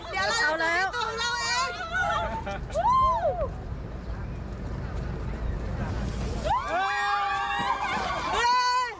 เดี๋ยวเรารู้จริตัวของเราเอง